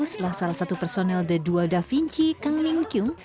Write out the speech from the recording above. krovel adalah salah satu personel the dua da vinci kang ming kyung